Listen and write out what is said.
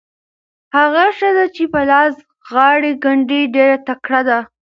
هغه ښځه چې په لاس غاړې ګنډي ډېره تکړه ده.